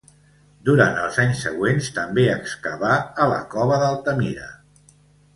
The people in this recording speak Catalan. Durant els anys següents també excavà a la cova d'Altamira.